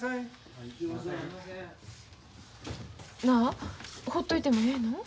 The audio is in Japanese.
なあほっといてもええの？